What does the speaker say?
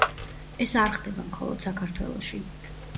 ეს არ ხდება მხოლოდ საქართველოში.